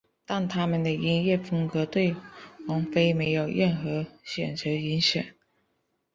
但他们的音乐风格对王菲没有任何显着影响。